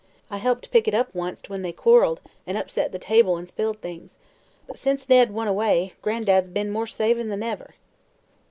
I helped pick it up, once, when they quarreled an' upset the table an' spilled things. But since Ned run ayray. Gran'dad's be'n more savin' than ever."